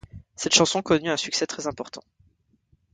Cette chanson connut un succès très important.